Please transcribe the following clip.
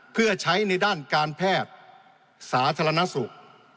เพื่อใช้ในด้านการแพทย์สาธารณสุข